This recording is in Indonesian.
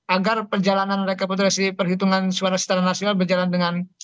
agar perjalanan rekapitulasi perhitungan suara secara nasional berjalan dengan baik